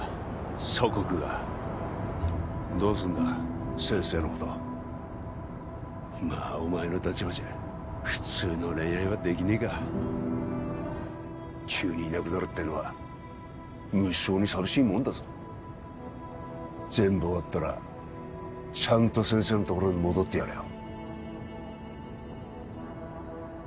祖国がどうすんだ先生のことまあお前の立場じゃ普通の恋愛はできねえか急にいなくなるってのは無性に寂しいもんだぞ全部終わったらちゃんと先生のところに戻ってやれよ